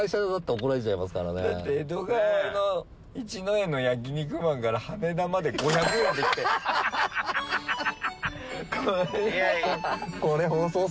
江戸川の一之江のヤキ肉マンから羽田まで５００円で行ってる。